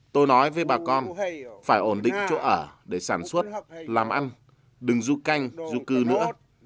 tôi nói với bà con phải ổn định chỗ ở để sản xuất làm ăn đừng du canh du cư nữa